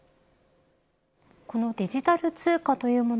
このデジタル通貨というもの